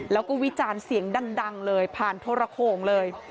แล้วก็วิจารณ์เสียงดังเลยผ่านโทรโขงเลย